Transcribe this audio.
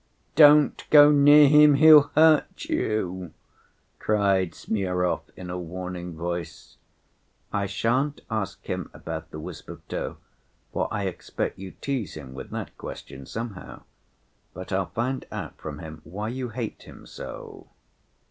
"Don't go near him, he'll hurt you," cried Smurov in a warning voice. "I shan't ask him about the wisp of tow, for I expect you tease him with that question somehow. But I'll find out from him why you hate him so."